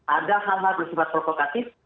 ada hal hal bersifat provokatif